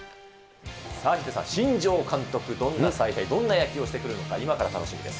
さあヒデさん、新庄監督、どんな采配、どんな野球をしてくるのか、今から楽しみです。